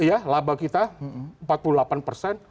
iya laba kita empat puluh delapan persen